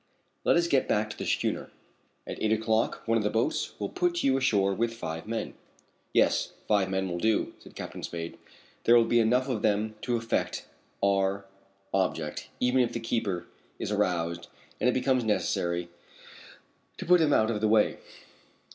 Let us get back to the schooner. At eight o'clock one of the boats will put you ashore with five men." "Yes, five men will do," said Captain Spade. "There will be enough of them to effect our object even if the keeper is aroused and it becomes necessary to put him out of the way."